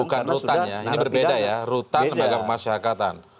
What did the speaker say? bukan rutan ya ini berbeda ya rutan lembaga pemasyarakatan